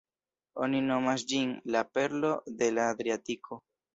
Oni nomas ĝin "la perlo de la Adriatiko".